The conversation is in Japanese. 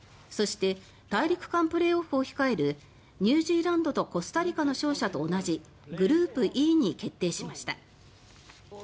そして大陸間プレーオフを控えるニュージーランドとコスタリカの勝者と同じグループＥに決定しました。